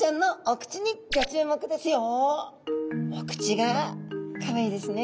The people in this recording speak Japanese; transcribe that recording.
皆さまお口がかわいいですね。